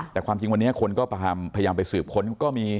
แต่ความจริงวันนี้คนก็พยายามไปสืบค้นก็มี